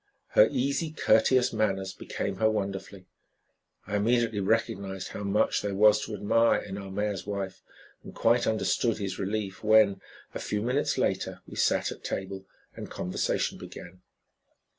Her easy, courteous manners became her wonderfully. I immediately recognized how much there was to admire in our mayor's wife, and quite understood his relief when, a few minutes later, we sat at table and conversation began.